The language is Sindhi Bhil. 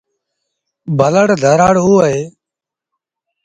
ڀلڙ ڌرآڙ اوٚ اهي۔